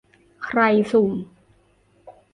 ใครสุ่ม